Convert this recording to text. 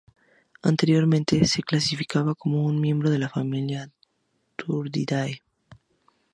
Anteriormente se clasificaba como un miembro de la familia Turdidae.